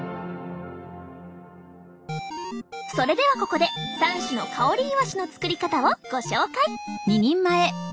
それではここで３種の香りイワシの作り方をご紹介。